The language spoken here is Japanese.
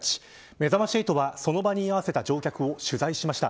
めざまし８はその場に居合わせた乗客に取材しました。